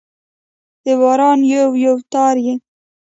د باران یو، یو تار يې